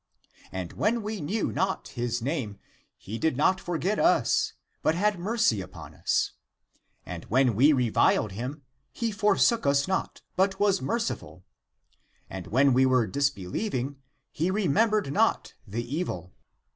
And when we knew not his name, he did not forget us, but had mercy upon us. And when we reviled him, he forsook us not, but was merciful. And when we were disbelieving, he remembered not the evil.